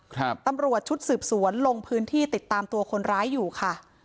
ตำรวจชุดสืบสวนลงพื้นที่ติดตามตัวคนร้ายอยู่ค่ะ